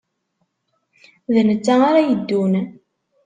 D netta ara yeddun.